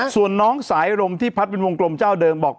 ส่วนน้องสายลมที่พัดเป็นวงกลมเจ้าเดิมบอก